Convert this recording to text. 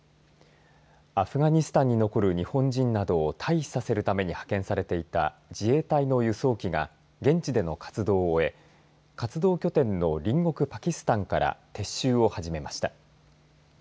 アフガニスタンに残る日本人などを退避させるために派遣されていた自衛隊の輸送機が現地での活動を終え活動拠点の隣国パキスタンから撤収を始めました。